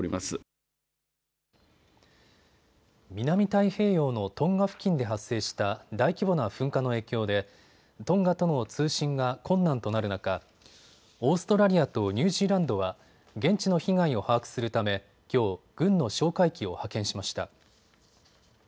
南太平洋のトンガ付近で発生した大規模な噴火の影響でトンガとの通信が困難となる中、オーストラリアとニュージーランドは現地の被害を把握するためきょう、軍の哨戒機を派遣しました。